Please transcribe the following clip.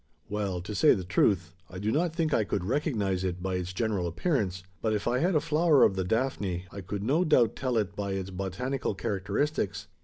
"Well, to say the truth, I do not think I could recognise it by its general appearance; but if I had a flower of the daphne, I could no doubt tell it by its botanical characteristics.